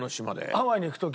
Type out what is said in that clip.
ハワイに行く時。